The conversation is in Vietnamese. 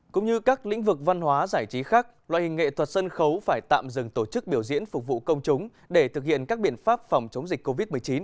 cũng như các lĩnh vực văn hóa giải trí khác loại hình nghệ thuật sân khấu phải tạm dừng tổ chức biểu diễn phục vụ công chúng để thực hiện các biện pháp phòng chống dịch covid một mươi chín